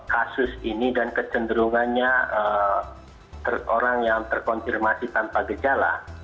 kasus ini dan kecenderungannya orang yang terkonfirmasi tanpa gejala